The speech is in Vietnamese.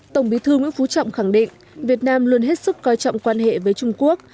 tổng bí thư nguyễn phú trọng khẳng định việt nam luôn hết sức coi trọng quan hệ với trung quốc